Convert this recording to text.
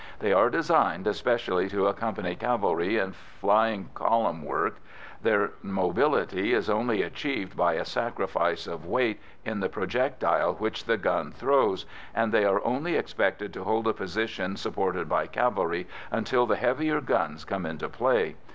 They are designed specially to accompany cavalry in flying column work; their mobility is only achieved by a sacrifice of weight in the projectile which the gun throws, and they are only expected to hold a position supported by cavalry until the heavier guns come into play.